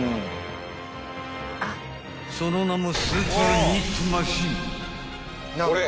［その名も］